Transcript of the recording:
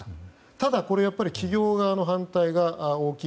ただ、これは企業側の反対が大きい。